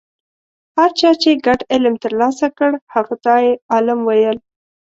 هر چا چې ګډ علم ترلاسه کړ هغه ته یې عالم ویل.